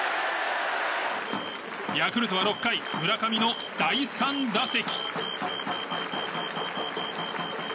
ヤクルトは６回村上の第３打席。